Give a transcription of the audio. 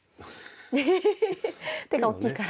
ヘヘヘ手が大きいから。